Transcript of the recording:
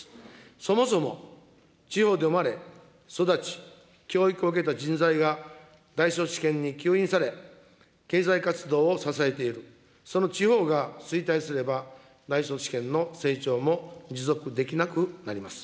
そもそも地方で生まれ、育ち、教育を受けた人材が、大都市圏に吸引され、経済活動を支えている、その地方が衰退すれば、大都市圏の成長も持続できなくなります。